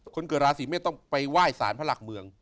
คนเกิดราศีเมษต้องไปไหว้สารพระหลักเมือง